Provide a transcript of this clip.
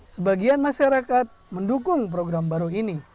sebagian masyarakat mendukung program baru ini